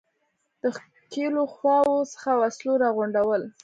د ښکېلو خواوو څخه وسلو را غونډول.